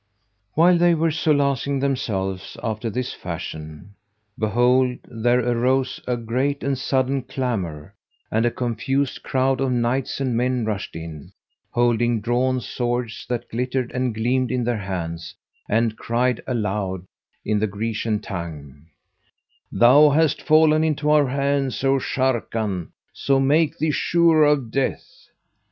While they were solacing themselves after this fashion, behold, there arose a great and sudden clamour, and a confused crowd of knights and men rushed in, holding drawn swords that glittered and gleamed in their hands, and cried aloud in the Grecian tongue, "Thou hast fallen into our hands, O Sharrkan, so make thee sure of death!"